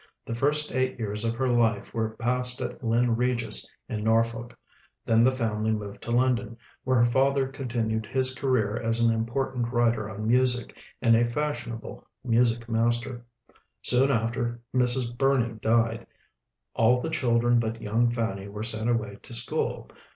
The first eight years of her life were passed at Lynn Regis in Norfolk; then the family moved to London, where her father continued his career as an important writer on music and a fashionable music master. Soon after, Mrs. Burney died. All the children but young Fanny were sent away to school.